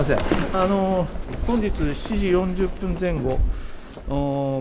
本日７時４０分前後